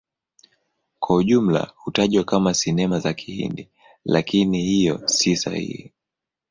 Kwa ujumla hutajwa kama Sinema za Kihindi, lakini hiyo si sahihi.